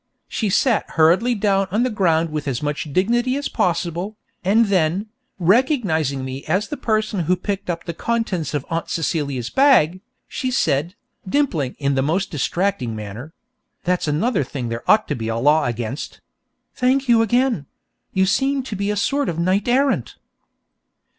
She sat hurriedly down on the ground with as much dignity as possible, and then, recognising me as the person who picked up the contents of Aunt Celia's bag, she said, dimpling in the most distracting manner (that's another thing there ought to be a law against): 'Thank you again; you seem to be a sort of knight errant.'